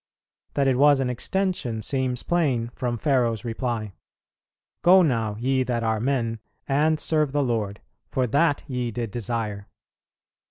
That it was an extension seems plain from Pharaoh's reply: "Go now ye that are men, and serve the Lord, for that ye did desire."